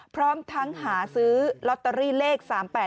พร้อมทั้งหาซื้อลอตเตอรี่เลข๓๘๘